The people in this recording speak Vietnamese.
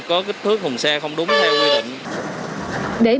có kích thước thùng xe không đúng theo quy định